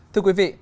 thưa quý vị